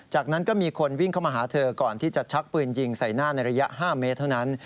จากนั้นก็มีคนวิ่งเข้ามาหาเธอก่อนที่จะชักปืนยิงใส่หน้าในระยะ๕เมตรเท่านั้น